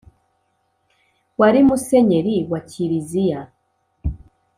wari musenyeri wa Kiriziya